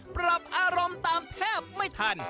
ปรับอารมณ์ตามแทบไม่ทัน